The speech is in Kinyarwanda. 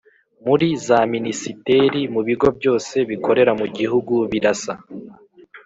muri za Minisiteri mu bigo byose bikorera mu gihugu birasa